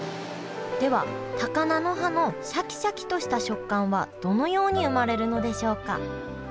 では高菜の葉のシャキシャキとした食感はどのように生まれるのでしょうか。